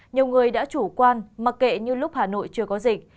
nhiều người đã chủ quan mặc kệ như lúc hà nội chưa có dịch